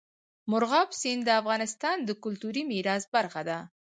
مورغاب سیند د افغانستان د کلتوري میراث برخه ده.